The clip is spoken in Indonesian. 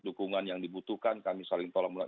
dukungan yang dibutuhkan kami saling tolong